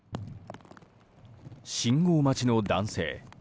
信号待ちの男性。